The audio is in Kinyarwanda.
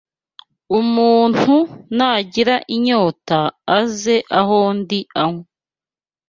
Umuntu nagira inyota, aze aho ndi anywe